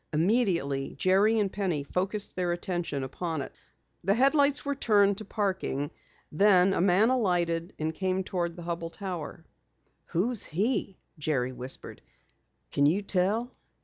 Immediately, Jerry and Penny focused their attention upon it. The headlights were turned to parking, then a man alighted and came toward the Hubell Tower. "Who is he?" Jerry whispered. "Can you tell?"